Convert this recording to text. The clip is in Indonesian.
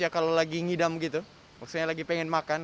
kalau lagi ngidam gitu maksudnya lagi pengen makan